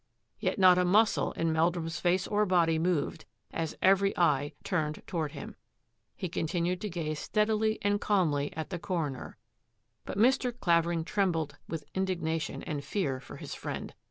Yet not a muscle in Meldrum's face or body moved as every eye turned toward him. He continued to gaze steadily and calmly at the coroner. But Mr. Clavering trembled with indignation and fear for his friend.